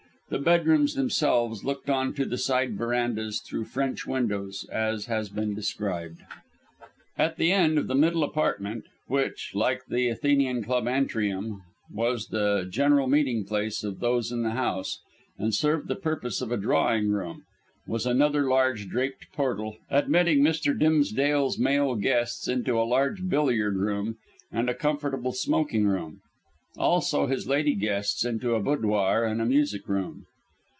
The bedrooms themselves looked on to the side verandahs through French windows, as has been described. At the end of the middle apartment which, like the Athenian Club antrium, was the general meeting place of those in the house, and served the purpose of a drawing room was another draped portal, admitting Mr. Dimsdale's male guests into a large billiard room and a comfortable smoking room; also his lady guests into a boudoir and a music room.